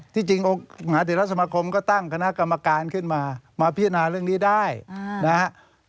จริงองค์มหาเทราสมคมก็ตั้งคณะกรรมการขึ้นมามาพิจารณาเรื่องนี้ได้นะฮะ